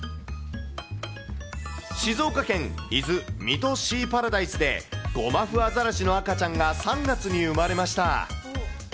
静岡県伊豆・三津シーパラダイスで、ゴマフアザラシの赤ちゃんが３月に生まれました。